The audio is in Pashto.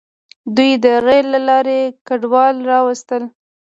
دوی د ریل له لارې کډوال راوستل.